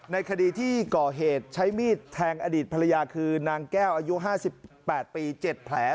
ในคดีที่ก่อเหตุใช้มีดแทงอดีตภรรยาคือนางแก้วอายุ๕๘ปี๗แผล